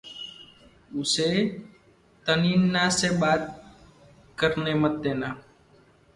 उसे तनिन्ना से बात करने मत देना।